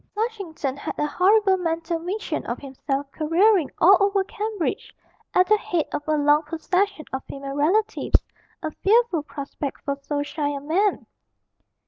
Flushington had a horrible mental vision of himself careering all over Cambridge at the head of a long procession of female relatives, a fearful prospect for so shy a man.